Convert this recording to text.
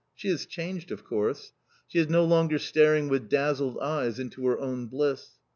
She has changed, of course. She is no longer staring with dazzled eyes into her own bliss.